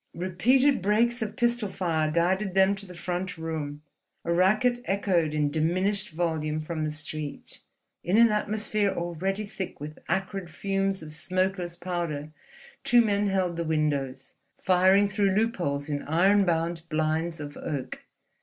Repeated breaks of pistol fire guided them to the front room, a racket echoed in diminished volume from the street. In an atmosphere already thick with acrid fumes of smokeless powder two men held the windows, firing through loopholes in iron bound blinds of oak.